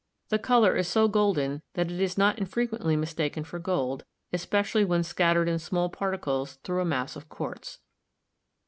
The color is so golden that it is not infrequently mistaken for gold, especially when scattered in small particles through a mass of quartz.